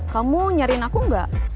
kamu nyeriin aku enggak